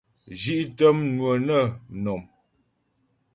Zhí'tə mnwə nə mnɔ̀m.